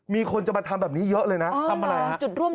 มีคนจะมาทำแบบนี้เยอะเลยนะทำอะไรฮะ